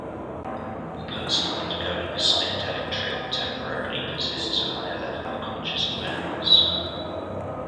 A person undergoing a psychedelic trip temporarily possesses a higher level of conscious awareness.